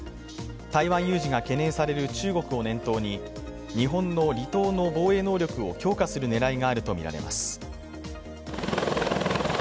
台湾有事が懸念される中国を念頭に日本の離島の防衛能力を強化する狙いがあるとみられます。